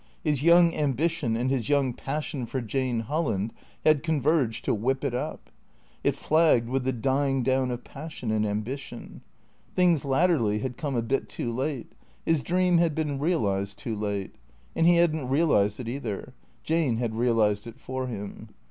His young ambi tion and his young passion for Jane Holland had converged to whip it up. It flagged with the dying down of passion and ambition. Things latterly had come a bit too late. His dream had been realized too late. And he had n't realized it, either. Jane had realized it for him.